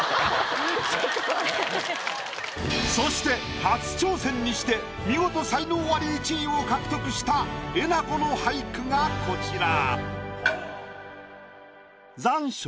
そして初挑戦にして見事才能アリ１位を獲得したえなこの俳句がこちら。